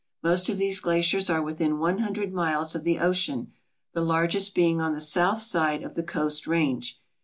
Most of these glaciers are within one hundred miles of the ocean, the largest being on the south side of the coast range.